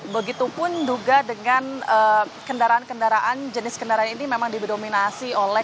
begitupun juga dengan kendaraan kendaraan jenis kendaraan ini memang didominasi oleh